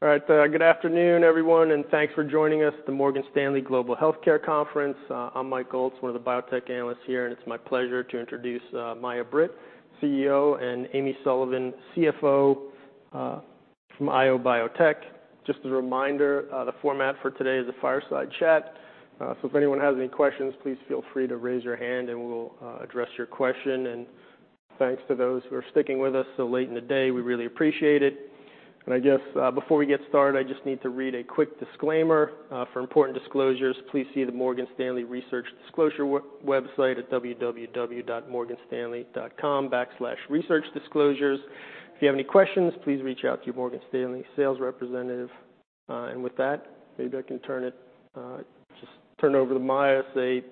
All right, good afternoon, everyone, and thanks for joining us at the Morgan Stanley Global Healthcare Conference. I'm Mike Goltz, one of the biotech analysts here, and it's my pleasure to introduce Mai-Britt Zocca, CEO, and Amy Sullivan, CFO, from IO Biotech. Just a reminder, the format for today is a fireside chat. So if anyone has any questions, please feel free to raise your hand and we'll address your question. And thanks to those who are sticking with us so late in the day. We really appreciate it. And I guess before we get started, I just need to read a quick disclaimer, "For important disclosures, please see the Morgan Stanley Research Disclosure website at www.morganstanley.com/researchdisclosures." If you have any questions, please reach out to your Morgan Stanley sales representative." With that, maybe I can turn it over to Mai-Britt, say, you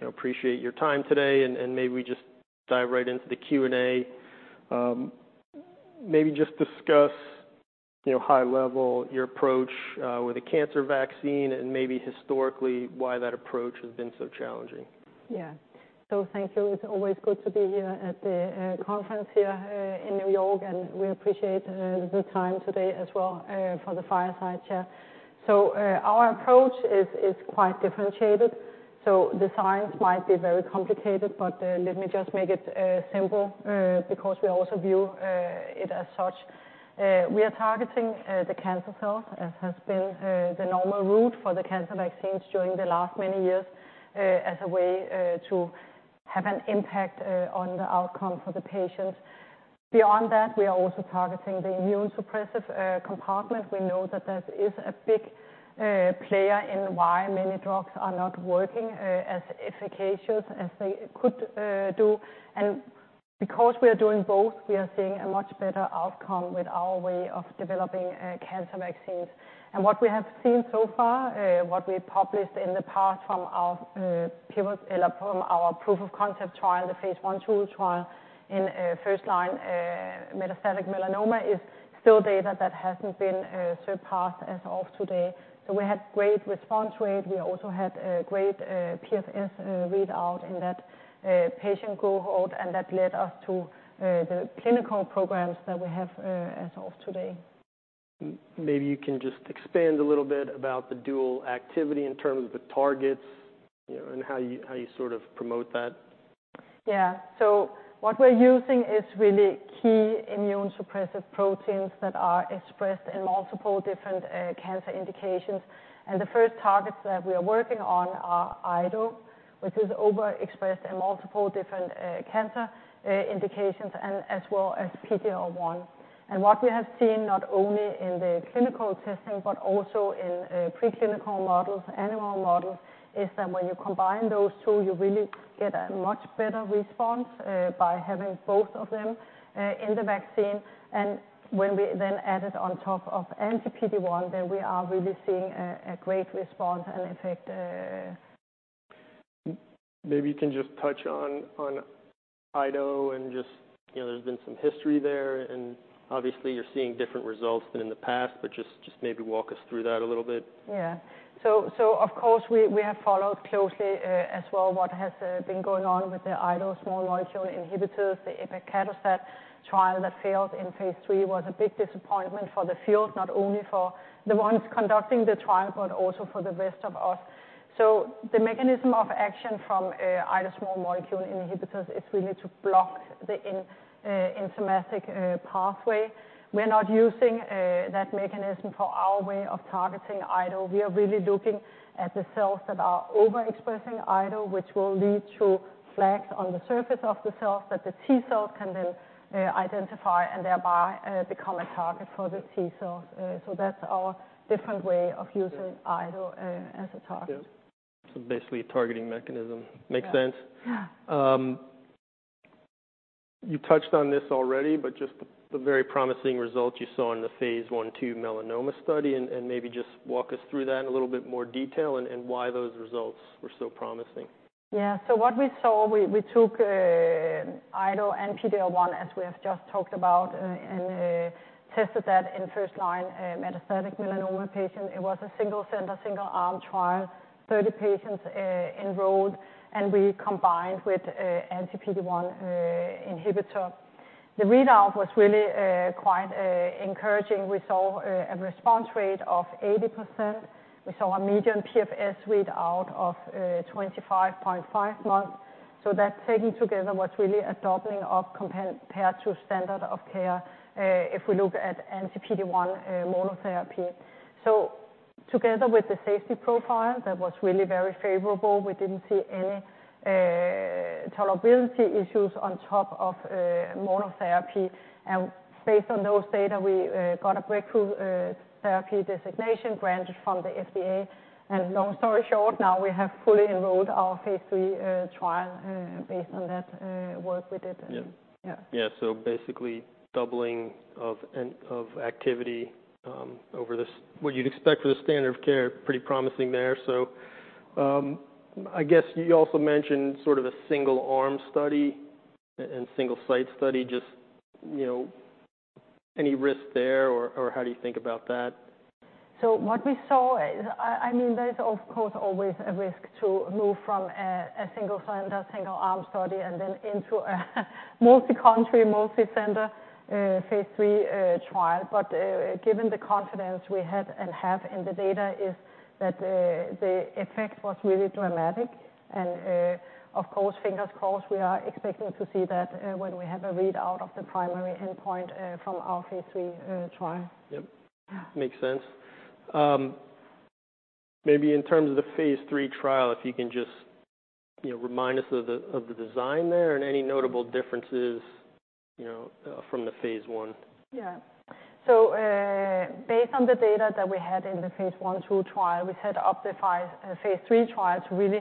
know, appreciate your time today, and maybe we just dive right into the Q&A. Maybe just discuss, you know, high level, your approach with the cancer vaccine, and maybe historically, why that approach has been so challenging. Yeah, so thank you. It's always good to be here at the conference here in New York, and we appreciate the time today as well for the fireside chat, so our approach is quite differentiated, so the science might be very complicated, but let me just make it simple because we also view it as such. We are targeting the cancer cell, as has been the normal route for the cancer vaccines during the last many years as a way to have an impact on the outcome for the patients. Beyond that, we are also targeting the immunosuppressive compartment. We know that that is a big player in why many drugs are not working as efficacious as they could do. Because we are doing both, we are seeing a much better outcome with our way of developing cancer vaccines. What we have seen so far, what we published in the past from our pivotal and from our proof of concept trial, the phase I/II trial in first line metastatic melanoma, is still data that hasn't been surpassed as of today. We had great response rate. We also had a great PFS readout in that patient cohort, and that led us to the clinical programs that we have as of today. Maybe you can just expand a little bit about the dual activity in terms of the targets, you know, and how you sort of promote that. Yeah. So what we're using is really key immunosuppressive proteins that are expressed in multiple different cancer indications. And the first targets that we are working on are IDO, which is overexpressed in multiple different cancer indications, and as well as PD-L1. And what we have seen, not only in the clinical testing, but also in preclinical models, animal models, is that when you combine those two, you really get a much better response by having both of them in the vaccine. And when we then add it on top of anti-PD-1, then we are really seeing a great response and effect. Maybe you can just touch on IDO and just, you know, there's been some history there, and obviously, you're seeing different results than in the past, but just maybe walk us through that a little bit. Yeah. So of course, we have followed closely, as well, what has been going on with the IDO small molecule inhibitors. The epacadostat trial that failed in phase III was a big disappointment for the field, not only for the ones conducting the trial, but also for the rest of us. So the mechanism of action from IDO small molecule inhibitors is really to block the enzymatic pathway. We're not using that mechanism for our way of targeting IDO. We are really looking at the cells that are overexpressing IDO, which will lead to flags on the surface of the cells, that the T cells can then identify and thereby become a target for the T cells. So that's our different way of using- Yeah... IDO as a target. Yeah. So basically, a targeting mechanism. Yeah. Makes sense. Yeah. You touched on this already, but just the very promising results you saw in the phase I, II melanoma study, and maybe just walk us through that in a little bit more detail, and why those results were so promising. Yeah. So what we saw, we took IDO and PD-L1, as we have just talked about, and tested that in first line metastatic melanoma patient. It was a single center, single-arm trial, 30 patients enrolled, and we combined with anti-PD-1 inhibitor. The readout was really quite encouraging. We saw a response rate of 80%. We saw a median PFS readout of 25.5 months. So that taken together was really a doubling compared to standard of care, if we look at anti-PD-1 monotherapy. So together with the safety profile, that was really very favorable. We didn't see any tolerability issues on top of monotherapy. And based on those data, we got a breakthrough therapy designation granted from the FDA. Long story short, now we have fully enrolled our phase III trial based on that work we did. Yeah. Yeah. Yeah, so basically doubling of activity over what you'd expect for the standard of care, pretty promising there. I guess you also mentioned sort of a single-arm study and single-site study, just, you know, any risk there, or how do you think about that?... So what we saw is, I mean, there is, of course, always a risk to move from a single center, single arm study, and then into a multi-country, multi-center phase III trial. But given the confidence we had and have in the data, is that the effect was really dramatic. And of course, fingers crossed, we are expecting to see that when we have a readout of the primary endpoint from our phase III trial. Yep. Yeah. Makes sense. Maybe in terms of the phase III trial, if you can just, you know, remind us of the design there, and any notable differences, you know, from the phase I? Yeah. So, based on the data that we had in the phase I, II trial, we set up the phase III trial to really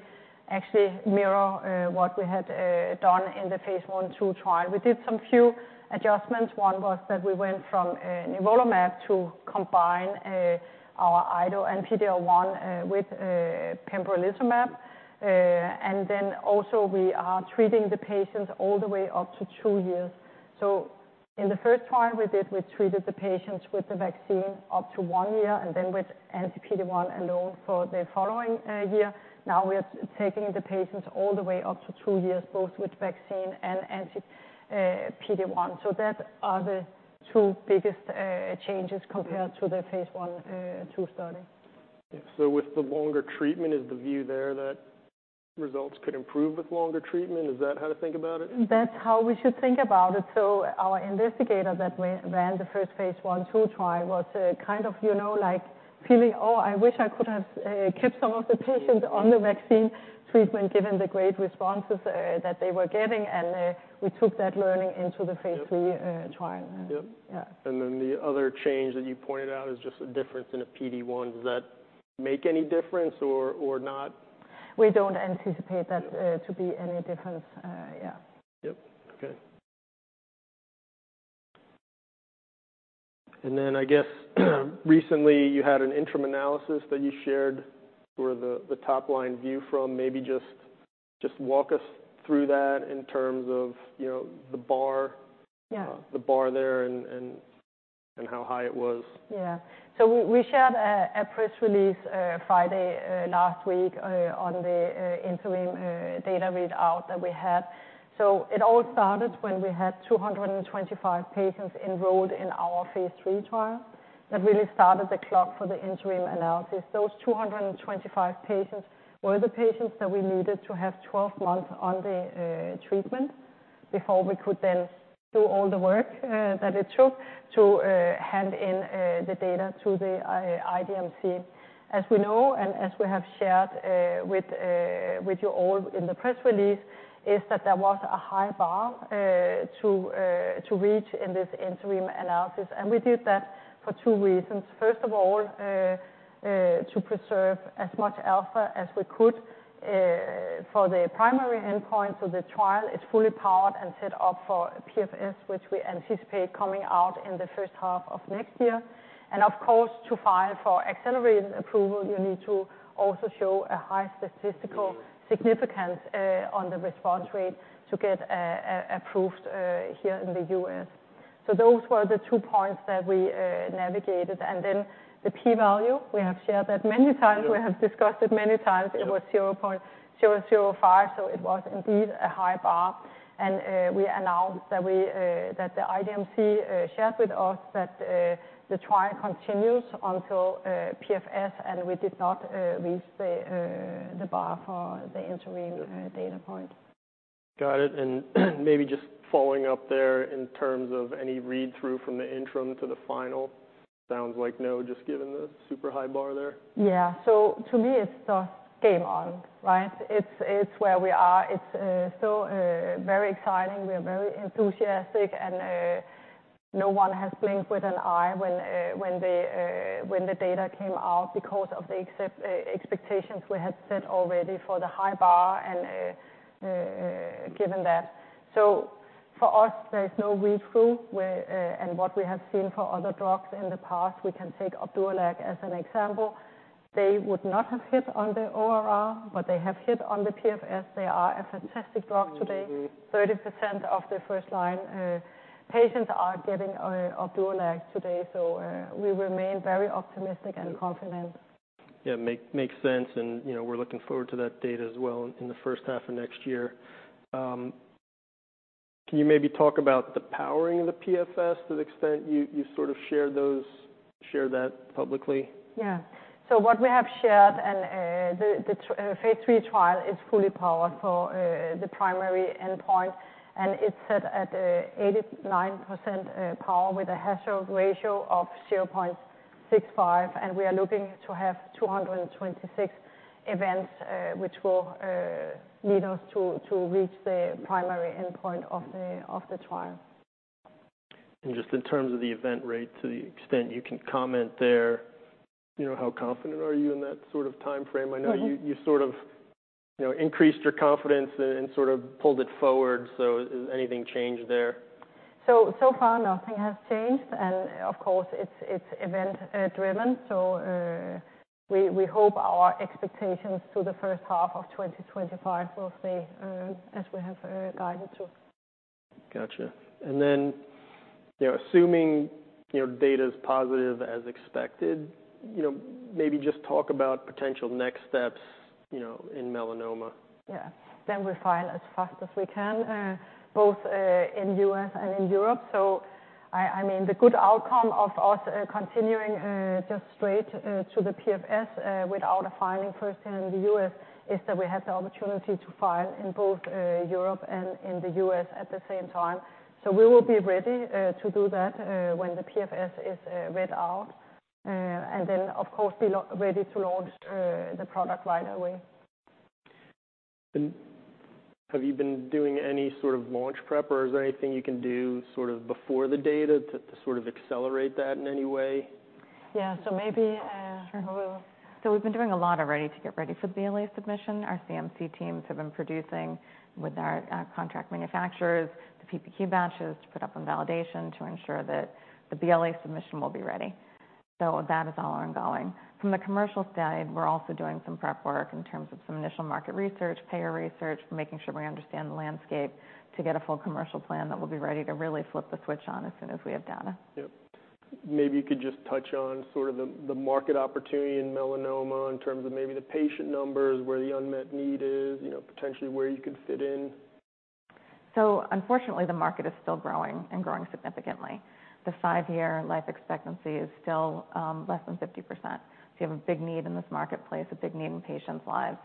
actually mirror what we had done in the phase I, II trial. We did some few adjustments. One was that we went from nivolumab to combine our IDO and PD-L1 with pembrolizumab. And then also we are treating the patients all the way up to two years. So in the first trial we did, we treated the patients with the vaccine up to one year, and then with anti-PD-1 alone for the following year. Now we are taking the patients all the way up to two years, both with vaccine and anti-PD-1. So that are the two biggest changes compared- Mm... to the phase I, II study. Yeah. So with the longer treatment, is the view there that results could improve with longer treatment? Is that how to think about it? That's how we should think about it. Our investigator that ran the first phase I-II trial was kind of, you know, like, feeling, "Oh, I wish I could have kept some of the patients on the vaccine treatment," given the great responses that they were getting. We took that learning into the phase III- Yep... trial. Yep. Yeah. And then the other change that you pointed out is just the difference in the PD-1. Does that make any difference or, or not? We don't anticipate that- Yep... to be any difference, yeah. Yep. Okay. And then, I guess, recently, you had an interim analysis that you shared, or the top line view from maybe just walk us through that in terms of, you know, the bar- Yeah... the bar there and how high it was. Yeah, so we shared a press release Friday last week on the interim data readout that we had, so it all started when we had 225 patients enrolled in our phase III trial. That really started the clock for the interim analysis. Those 225 patients were the patients that we needed to have 12 months on the treatment, before we could then do all the work that it took to hand in the data to the IDMC. As we know, and as we have shared with you all in the press release, is that there was a high bar to reach in this interim analysis, and we did that for two reasons. First of all, to preserve as much alpha as we could, for the primary endpoint, so the trial is fully powered and set up for PFS, which we anticipate coming out in H1 of next year, and of course, to file for accelerated approval, you need to also show a high statistical significance, on the response rate to get approved, here in the U.S., so those were the two points that we navigated, and then the P value, we have shared that many times. Yeah. We have discussed it many times. Sure. It was 0.005, so it was indeed a high bar. And we announced that the IDMC shared with us that the trial continues until PFS, and we did not reach the bar for the interim- Yep... data point. Got it. And maybe just following up there, in terms of any read-through from the interim to the final, sounds like no, just given the super high bar there? Yeah, so to me, it's just game on, right? It's where we are. It's still very exciting. We are very enthusiastic, and no one has blinked with an eye when the data came out, because of the expectations we had set already for the high bar and given that, so for us, there is no read-through, and what we have seen for other drugs in the past, we can take Opdualag as an example. They would not have hit on the ORR, but they have hit on the PFS. They are a fantastic drug today. 30% of the first-line patients are getting Opdualag today, so we remain very optimistic and confident. Yeah, makes sense, and, you know, we're looking forward to that data as well in the first half of next year. Can you maybe talk about the powering of the PFS, to the extent you sort of shared that publicly? Yeah. So what we have shared, and, the phase III trial is fully powered for the primary endpoint, and it's set at 89% power, with a hazard ratio of 0.65. And we are looking to have 226 events, which will lead us to reach the primary endpoint of the trial. And just in terms of the event rate, to the extent you can comment there, you know, how confident are you in that sort of timeframe? Mm-hmm. I know you, you sort of, you know, increased your confidence and, and sort of pulled it forward, so has anything changed there? So far nothing has changed, and of course, it's event driven, so we hope our expectations through H1 of 2025 will stay as we have guided to. Gotcha. And then, you know, assuming, you know, data is positive as expected, you know, maybe just talk about potential next steps, you know, in melanoma. Yeah. Then we file as fast as we can, both in U.S. and in Europe. So I mean, the good outcome of us continuing just straight to the PFS without a filing first here in the U.S. is that we have the opportunity to file in both Europe and in the U.S. at the same time. So we will be ready to do that when the PFS is read out, and then of course ready to launch the product right away. Have you been doing any sort of launch prep, or is there anything you can do sort of before the data to sort of accelerate that in any way? Yeah. So maybe, sure, we will. So we've been doing a lot already to get ready for the BLA submission. Our CMC teams have been producing with our contract manufacturers, the PPQ batches to put up on validation to ensure that the BLA submission will be ready. So that is all ongoing. From the commercial side, we're also doing some prep work in terms of some initial market research, payer research, making sure we understand the landscape to get a full commercial plan that will be ready to really flip the switch on as soon as we have data. Yep. Maybe you could just touch on sort of the market opportunity in melanoma in terms of maybe the patient numbers, where the unmet need is, you know, potentially where you could fit in? Unfortunately, the market is still growing, and growing significantly. The five-year life expectancy is still less than 50%. You have a big need in this marketplace, a big need in patients' lives,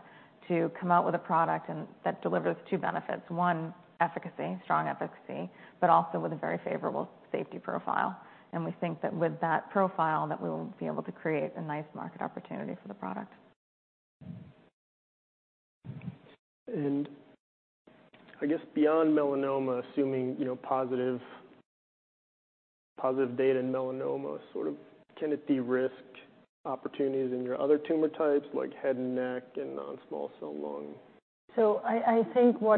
to come out with a product and that delivers two benefits. One, efficacy, strong efficacy, but also with a very favorable safety profile. We think that with that profile, that we will be able to create a nice market opportunity for the product. I guess beyond melanoma, assuming, you know, positive, positive data in melanoma, sort of can it de-risk opportunities in your other tumor types, like head and neck and non-small cell lung? So I think we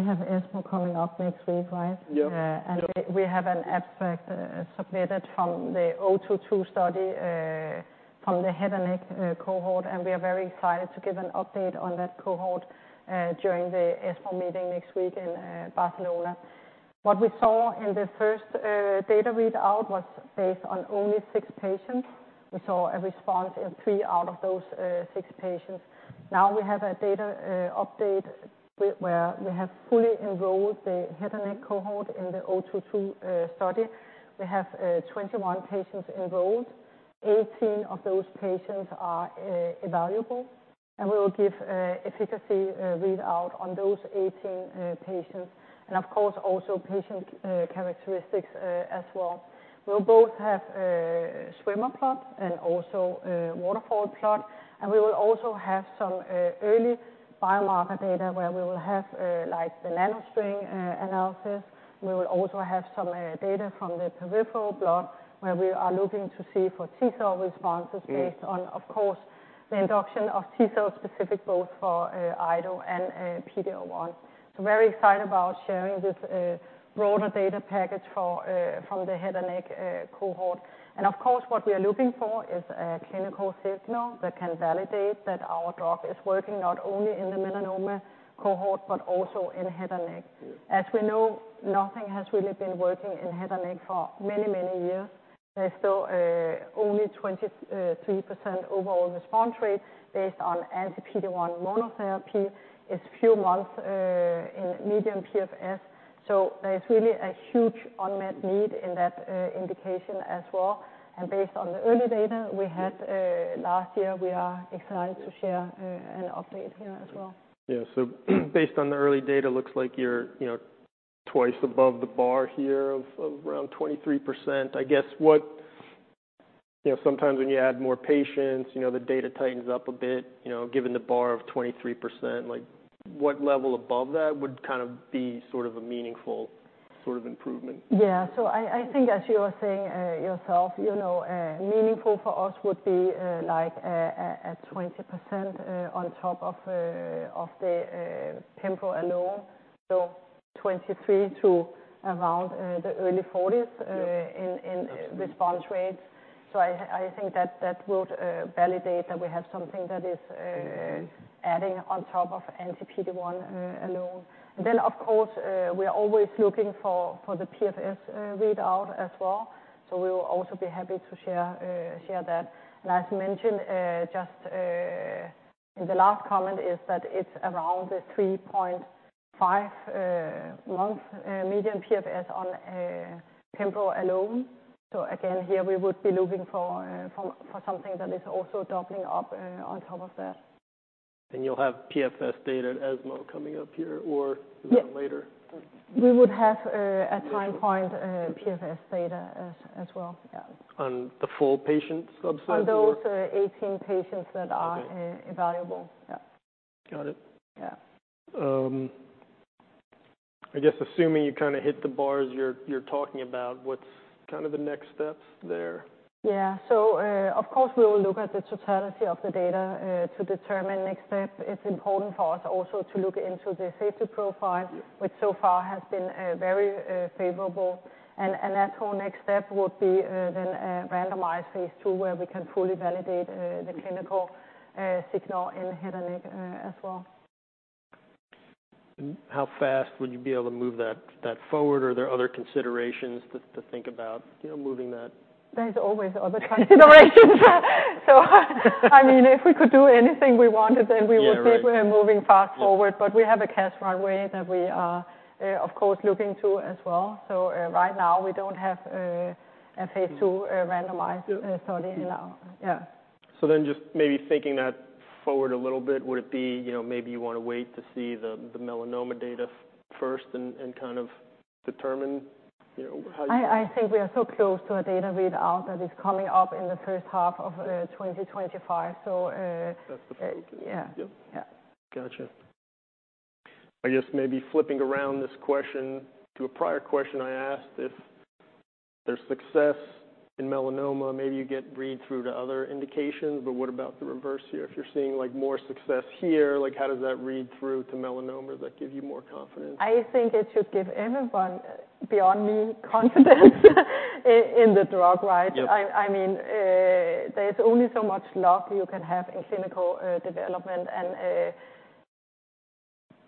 have ESMO coming up next week, right? Yep. And we have an abstract submitted from the O22 study from the head and neck cohort, and we are very excited to give an update on that cohort during the ESMO meeting next week in Barcelona. What we saw in the first data readout was based on only six patients. We saw a response in three out of those six patients. Now, we have a data update where we have fully enrolled the head and neck cohort in the O22 study. We have 21 patients enrolled. 18 of those patients are evaluable, and we will give an efficacy readout on those 18 patients, and of course, also patient characteristics as well. We'll both have a swimmer plot and also a waterfall plot, and we will also have some early biomarker data, where we will have, like, the NanoString analysis. We will also have some data from the peripheral blood, where we are looking to see for T-cell responses based on, of course, the induction of T-cell specific both for IDO and PD-L1, so very excited about sharing this broader data package from the head and neck cohort, and of course, what we are looking for is a clinical signal that can validate that our drug is working not only in the melanoma cohort, but also in head and neck. Yeah. As we know, nothing has really been working in head and neck for many, many years. There's still only 23% overall response rate based on anti-PD-L1 monotherapy. It's few months in median PFS, so there's really a huge unmet need in that indication as well. Based on the early data we had last year, we are excited to share an update here as well. Yeah. So based on the early data, looks like you're, you know, twice above the bar here of around 23%. I guess, what... You know, sometimes when you add more patients, you know, the data tightens up a bit, you know, given the bar of 23%, like what level above that would kind of be sort of a meaningful sort of improvement? Yeah. So I think as you were saying yourself, you know, meaningful for us would be like a 20% on top of the pembro alone, so 23% to around the early 40s%- Yep ...in response rates. So I think that would validate that we have something that is adding on top of anti-PD-L1 alone. And then, of course, we are always looking for the PFS readout as well, so we will also be happy to share that. Last mention, just, in the last comment, is that it's around the 3.5-month median PFS on pembro alone. So again, here we would be looking for something that is also doubling up on top of that. You'll have PFS data at ESMO coming up here or- Yes. Is that later? We would have a time point, PFS data as well, yeah. On the full patient subset? On those 18 patients that are- Okay... evaluable, yeah. Got it. Yeah. I guess assuming you kind of hit the bars you're talking about, what's kind of the next steps there? Yeah. So, of course, we will look at the totality of the data, to determine next step. It's important for us also to look into the safety profile- Yep... which so far has been very favorable. And that whole next step would be then randomized phase II, where we can fully validate the clinical signal in head and neck as well. ... how fast would you be able to move that forward? Or are there other considerations to think about, you know, moving that? There's always other considerations. So, I mean, if we could do anything we wanted, then we would- Yeah, right. be moving fast forward. But we have a cash runway that we are, of course, looking to as well. So, right now, we don't have a phase II randomized study now. Yeah. So then just maybe thinking that forward a little bit, would it be, you know, maybe you want to wait to see the melanoma data first and kind of determine, you know, how you- I think we are so close to a data read-out that is coming up in H1 of 2025. That's the plan. Yeah. Yep. Yeah. Gotcha. I guess maybe flipping around this question to a prior question I asked, if there's success in melanoma, maybe you get read through to other indications, but what about the reverse here? If you're seeing, like, more success here, like, how does that read through to melanoma? Does that give you more confidence? I think it should give everyone, beyond me, confidence in the drug, right? Yep. I mean, there's only so much luck you can have in clinical development. And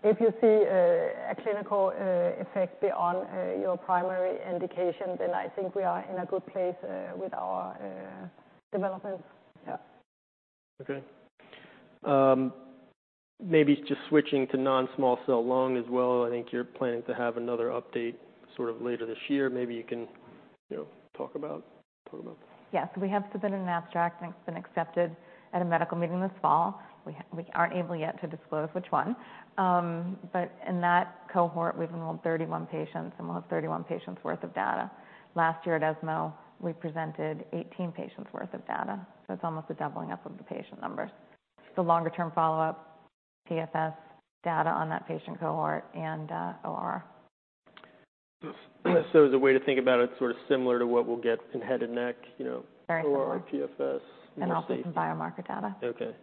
if you see a clinical effect beyond your primary indication, then I think we are in a good place with our development. Yeah. Okay. Maybe just switching to non-small cell lung as well. I think you're planning to have another update sort of later this year. Maybe you can, you know, talk about that. Yes, we have submitted an abstract, and it's been accepted at a medical meeting this fall. We aren't able yet to disclose which one. But in that cohort, we've enrolled 31 patients, and we'll have 31 patients' worth of data. Last year at ESMO, we presented 18 patients' worth of data, so it's almost a doubling up of the patient numbers. The longer term follow-up, PFS data on that patient cohort and OR. It's a way to think about it, sort of similar to what we'll get in head and neck, you know. Very similar. OR, PFS. Also some biomarker data. Okay,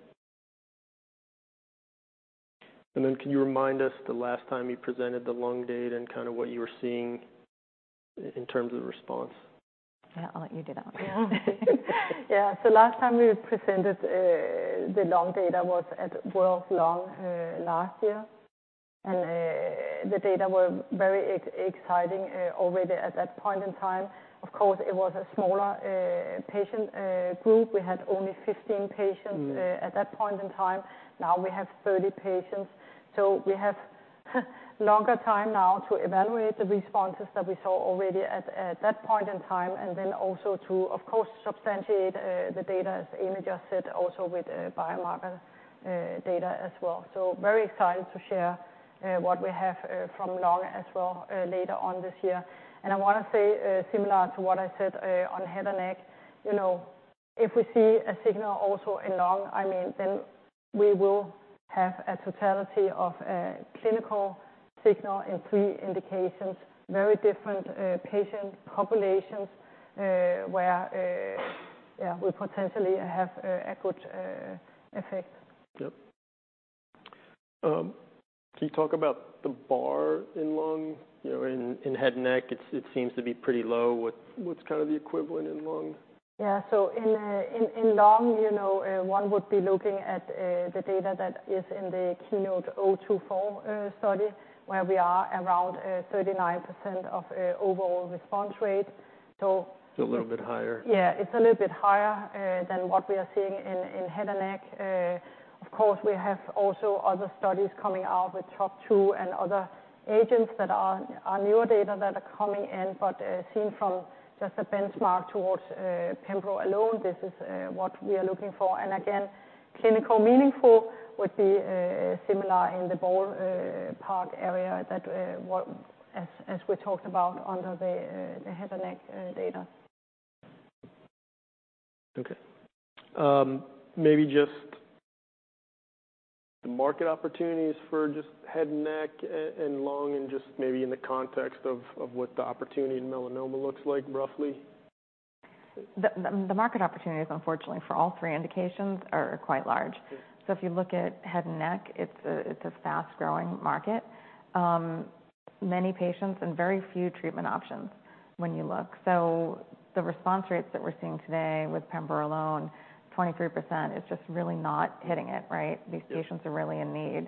and then, can you remind us the last time you presented the lung data and kind of what you were seeing in terms of response? Yeah, I'll let you do that one. Yeah. Yeah, so last time we presented, the lung data was at World Lung last year, and the data were very exciting already at that point in time. Of course, it was a smaller patient group. We had only 15 patients- Mm. At that point in time. Now, we have 30 patients, so we have longer time now to evaluate the responses that we saw already at that point in time, and then also to, of course, substantiate the data, as Amy just said, also with biomarker data as well. So very excited to share what we have from lung as well later on this year. And I want to say similar to what I said on head and neck, you know, if we see a signal also in lung, I mean, then we will have a totality of a clinical signal and three indications, very different patient populations where yeah, we potentially have a good effect. Yep. Can you talk about the bar in lung? You know, in head and neck, it seems to be pretty low. What's kind of the equivalent in lung? Yeah. So in lung, you know, one would be looking at the data that is in the KEYNOTE-024 study, where we are around 39% overall response rate. So- It's a little bit higher. Yeah, it's a little bit higher than what we are seeing in head and neck. Of course, we have also other studies coming out with TROP2 and other agents that are newer data that are coming in, but seen from just a benchmark towards pembro alone, this is what we are looking for. And again, clinically meaningful would be similar in the ballpark area that what as we talked about under the head and neck data. Okay. Maybe just the market opportunities for just head and neck, and lung, and just maybe in the context of what the opportunity in melanoma looks like, roughly? The market opportunities, unfortunately, for all three indications are quite large. Yep. So if you look at head and neck, it's a fast-growing market. Many patients and very few treatment options when you look. So the response rates that we're seeing today with pembro alone, 23%, is just really not hitting it, right? Yep. These patients are really in need.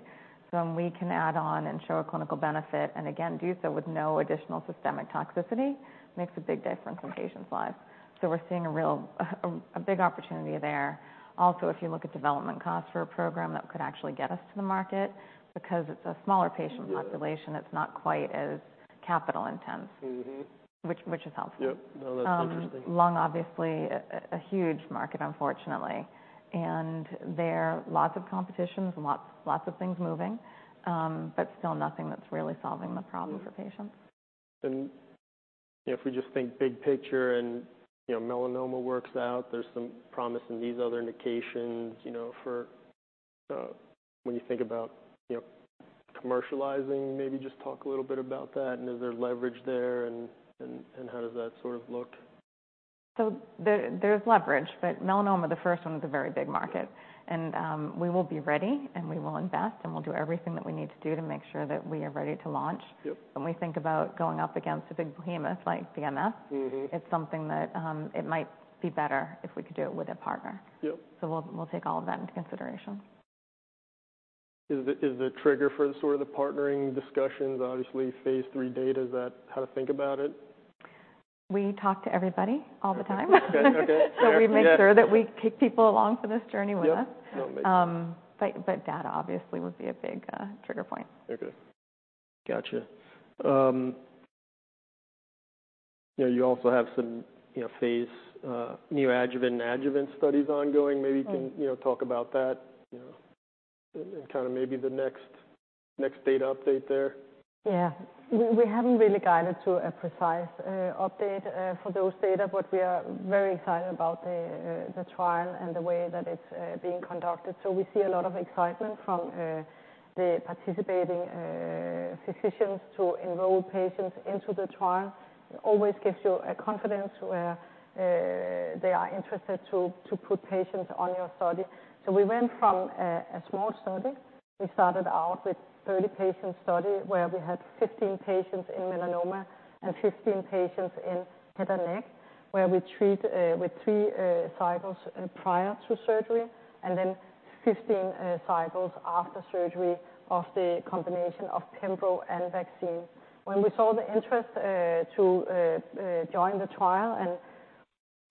So when we can add on and show a clinical benefit, and again, do so with no additional systemic toxicity, makes a big difference in patients' lives. So we're seeing a real big opportunity there. Also, if you look at development costs for a program, that could actually get us to the market, because it's a smaller patient population. Yeah. It's not quite as capital intense. Mm-hmm. Which is helpful. Yep. No, that's interesting. Lung, obviously a huge market, unfortunately. And there are lots of competitions, lots of things moving, but still nothing that's really solving the problem for patients. Yeah. And, if we just think big picture and, you know, melanoma works out, there's some promise in these other indications, you know, for, when you think about, you know, commercializing, maybe just talk a little bit about that, and is there leverage there, and, and, and how does that sort of look? There's leverage, but melanoma, the first one, is a very big market. Yep. We will be ready, and we will invest, and we'll do everything that we need to do to make sure that we are ready to launch. Yep. When we think about going up against a big behemoth like BMS- Mm-hmm -it's something that, it might be better if we could do it with a partner. Yep. So we'll take all of that into consideration.... Is the trigger for the sort of partnering discussions, obviously phase III data, is that how to think about it? We talk to everybody all the time. Okay, okay. So we make sure that we kick people along for this journey with us. Yep. No, maybe. That obviously would be a big trigger point. Okay. Gotcha. You know, you also have some, you know, phase, neoadjuvant and adjuvant studies ongoing. Mm. Maybe you can, you know, talk about that, you know, and kind of maybe the next data update there. Yeah. We haven't really guided to a precise update for those data, but we are very excited about the trial and the way that it's being conducted. So we see a lot of excitement from the participating physicians to enroll patients into the trial. It always gives you a confidence where they are interested to put patients on your study. So we went from a small study. We started out with 30-patient study, where we had 15 patients in melanoma and 15 patients in head and neck, where we treat with three cycles prior to surgery, and then 15 cycles after surgery of the combination of pembro and vaccine. When we saw the interest to join the trial and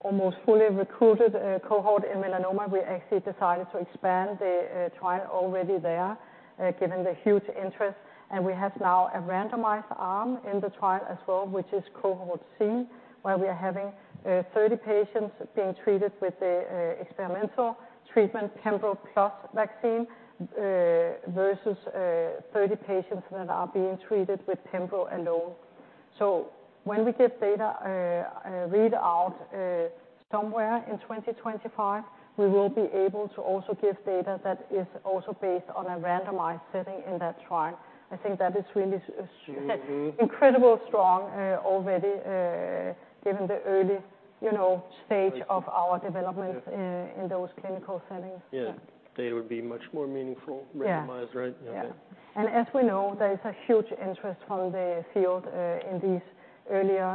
almost fully recruited a cohort in melanoma, we actually decided to expand the trial already there given the huge interest, and we have now a randomized arm in the trial as well, which is cohort C, where we are having 30 patients being treated with a experimental treatment, pembro plus vaccine versus 30 patients that are being treated with pembro alone, so when we get data read out somewhere in 2025, we will be able to also give data that is also based on a randomized setting in that trial. I think that is really s- Mm-hmm... incredibly strong, already, given the early, you know, stage- I see of our development Yeah In those clinical settings. Yeah. Data would be much more meaningful- Yeah Randomized, right? Yeah. Yeah. And as we know, there is a huge interest from the field in these earlier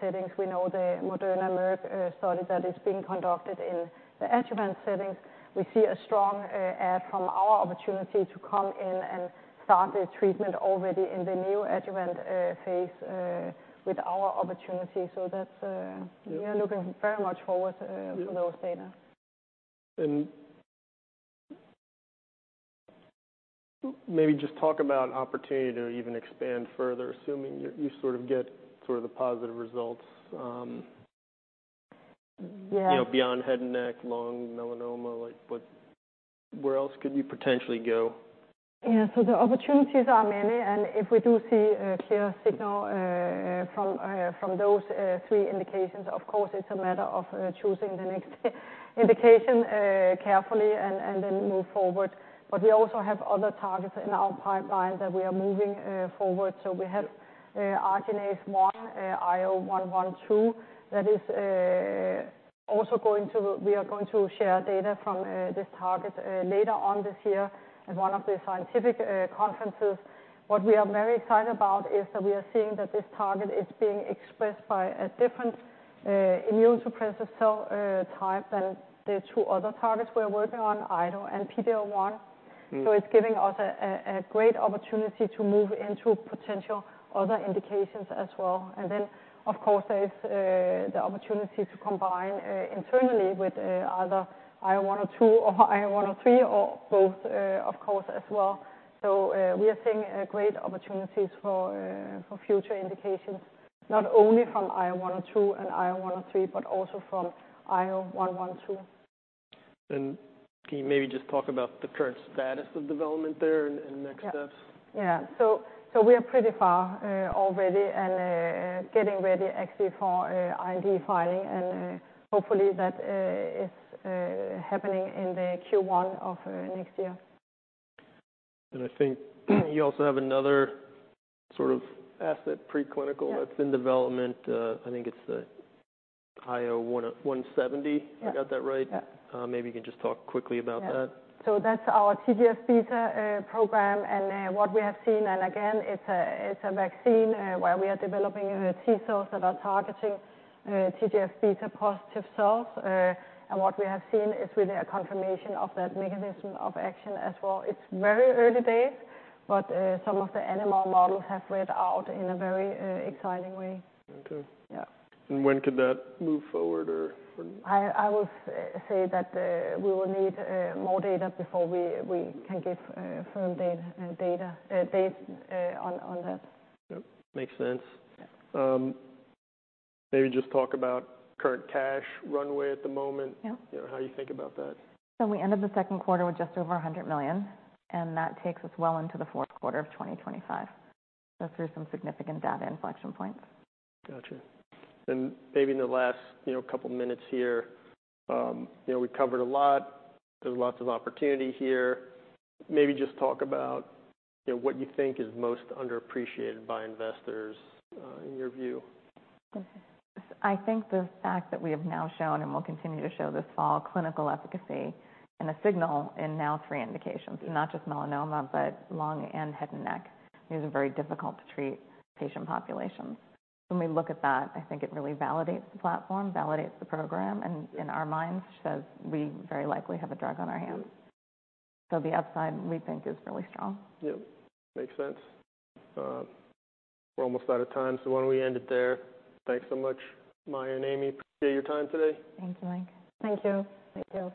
settings. We know the Moderna, Merck study that is being conducted in the adjuvant settings. We see a strong from our opportunity to come in and start the treatment already in the neoadjuvant phase with our opportunity. So that's- Yep We are looking very much forward for those data. Maybe just talk about opportunity to even expand further, assuming you sort of get the positive results. Yeah ... you know, beyond head and neck, lung, melanoma, like, what, where else could you potentially go? Yeah. So the opportunities are many, and if we do see a clear signal from those three indications, of course, it's a matter of choosing the next indication carefully and then move forward. But we also have other targets in our pipeline that we are moving forward. So we have Arginase 1, IO112. That is also going to share data from this target later on this year at one of the scientific conferences. What we are very excited about is that we are seeing that this target is being expressed by a different immunosuppressive cell type than the two other targets we are working on, IDO and PD-L1. Mm. So it's giving us a great opportunity to move into potential other indications as well. And then, of course, there is the opportunity to combine internally with either IO102 or IO103 or both, of course, as well. So we are seeing great opportunities for future indications, not only from IO102 and IO103, but also from IO112. Can you maybe just talk about the current status of development there and next steps? Yeah. So we are pretty far already and getting ready actually for BLA filing, and hopefully that is happening in Q1 of next year. And I think, you also have another sort of asset, preclinical- Yeah -that's in development. I think it's the IO170. Yeah. I got that right? Yeah. Maybe you can just talk quickly about that. Yeah. So that's our TGF-beta program. And what we have seen, and again, it's a vaccine where we are developing T-cells that are targeting TGF-beta positive cells. And what we have seen is really a confirmation of that mechanism of action as well. It's very early days, but some of the animal models have read out in a very exciting way. Okay. Yeah. When could that move forward, or when? I will say that we will need more data before we can give firm date on that. Yep. Makes sense. Yeah. Maybe just talk about current cash runway at the moment. Yeah. You know, how you think about that? So we ended Q2 with just over $100 million, and that takes us well into Q4 of 2025. So through some significant data inflection points. Gotcha. And maybe in the last, you know, couple minutes here, you know, we've covered a lot. There's lots of opportunity here. Maybe just talk about, you know, what you think is most underappreciated by investors, in your view. Okay. I think the fact that we have now shown, and will continue to show this fall, clinical efficacy and a signal in now three indications, not just melanoma, but lung and head and neck, these are very difficult-to-treat patient populations. When we look at that, I think it really validates the platform, validates the program, and in our minds, says we very likely have a drug on our hands. So the upside, we think, is really strong. Yep, makes sense. We're almost out of time, so why don't we end it there? Thanks so much, Mai-Britt and Amy. Appreciate your time today. Thank you, Mike. Thank you. Thank you.